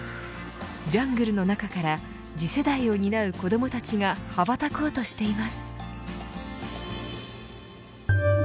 ジャングルの中から次世代を担う子どもたちが羽ばたこうとしています。